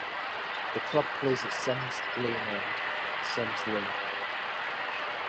The club plays at Simms Lane End, Simms Lane.